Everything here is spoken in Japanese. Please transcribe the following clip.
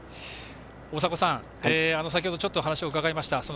大迫さん、先ほどちょっと話を伺いました。